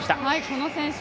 この選手